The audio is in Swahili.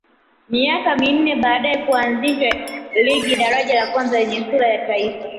Miaka minne baadae kuanzishwa ligi daraja la kwanza yenye sura ya kitaifa